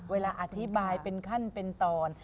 เวลาอธิบายเป็นขั้นเป็นตอน